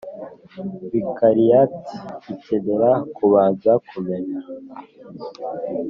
Vikariyati ikenera kubanza kumenya